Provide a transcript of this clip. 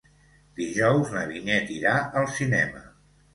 Dijous na Vinyet irà al cinema.